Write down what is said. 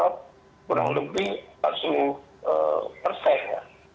maksudnya jakarta sendiri ya